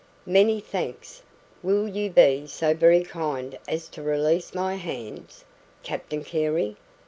"Many thanks. Will you be so very kind as to release my hands, Captain Carey?